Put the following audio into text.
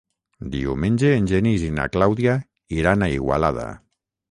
Diumenge en Genís i na Clàudia iran a Igualada.